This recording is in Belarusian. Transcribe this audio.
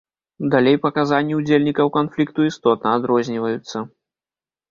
Далей паказанні ўдзельнікаў канфлікту істотна адрозніваюцца.